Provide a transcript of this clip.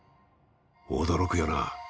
驚くよな。